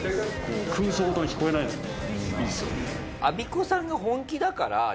アビコさんが本気だから。